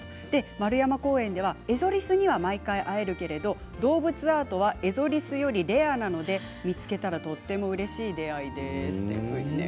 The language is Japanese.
円山公園ではエゾリスには毎回、会えるけど動物アートはエゾリスよりレアなので、見つけたらとてもうれしい出会いです。